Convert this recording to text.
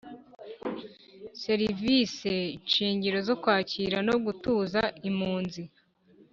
Serivse shingiro zo Kwakirwa no Gutuza imunzi